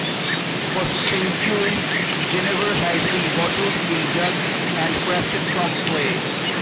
For centuries jenever has been bottled in jugs handcrafted from clay.